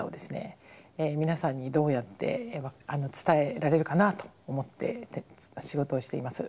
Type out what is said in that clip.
皆さんにどうやって伝えられるかなと思って仕事をしています。